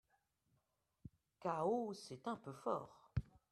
Chaos, c’est un peu fort